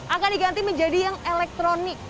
akan diganti menjadi yang elektronik